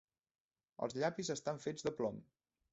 Els llapis estan fets de plom.